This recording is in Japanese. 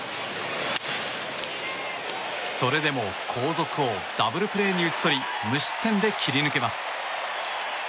それでも後続をダブルプレーに打ち取り無失点で切り抜けます。